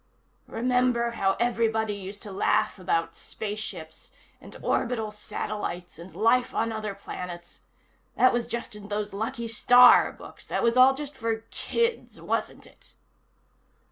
"Remember how everybody used to laugh about spaceships, and orbital satellites, and life on other planets? That was just in those Lucky Starr books. That was all just for kids, wasn't it?"